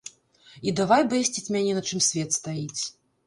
І давай бэсціць мяне на чым свет стаіць.